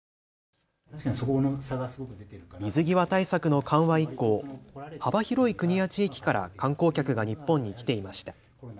水際対策の緩和以降、幅広い国や地域から観光客が日本に来ていました。